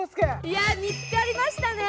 いや見つかりましたね